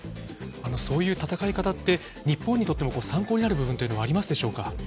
そういう戦い方って日本にとっても参考になる部分はありますでしょうか？